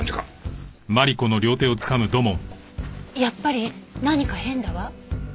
やっぱり何か変だわ。